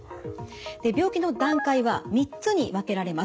で病気の段階は３つに分けられます。